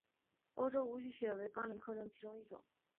欧洲无须鳕为辐鳍鱼纲鳕形目无须鳕科的其中一种。